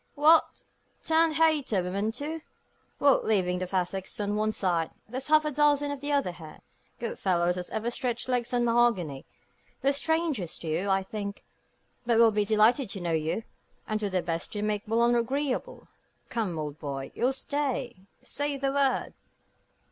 "What, turned hater, women too. Well, leaving the fair sex on one side, there's half a dozen of the other here good fellows as ever stretched legs on mahogany. They're strangers to you, I think; but will be delighted to know you, and do their best to make Boulogne agreeable. Come, old boy. You'll stay? Say the word."